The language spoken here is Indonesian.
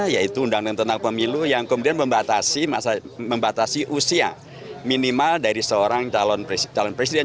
yaitu undang undang tentang pemilu yang kemudian membatasi usia minimal dari seorang calon presiden